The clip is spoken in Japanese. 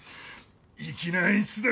粋な演出だ